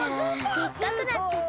でっかくなっちゃった！